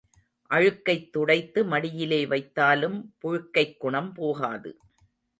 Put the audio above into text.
அழுக்கைத் துடைத்து மடியிலே வைத்தாலும் புழுக்கைக் குணம் போகாது.